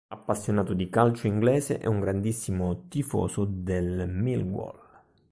Appassionato di calcio inglese, è un grandissimo tifoso del Millwall.